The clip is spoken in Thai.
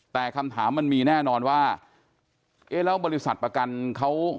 แต่คำถามมันมีแน่นอนว่าเอ๊ะแล้วบริษัทประกันเขา